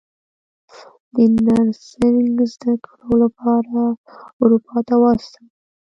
د نرسنګ زده کړو لپاره اروپا ته واستولې.